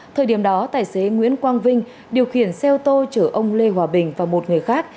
thời điểm đó tài xế nguyễn quang vinh điều khiển xe ô tô chở ông lê hòa bình và một người khác